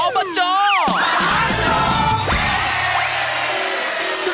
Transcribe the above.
อบจมาสนุก